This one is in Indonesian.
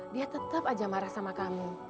dia tetap aja marah sama kami